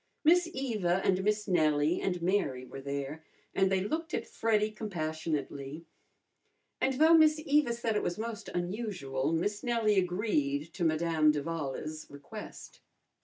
Miss Eva and Miss Nellie and Mary were there, and they looked at Freddy compassionately. And though Miss Eva said it was most unusual, Miss Nellie agreed to Madame d'Avala's request.